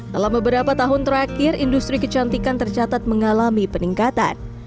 dalam beberapa tahun terakhir industri kecantikan tercatat mengalami peningkatan